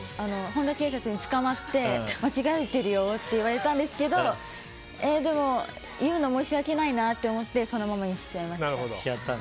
本田警察につかまって間違っているよと言われたんですけど言うの申し訳ないなって思ってそのままにしちゃいました。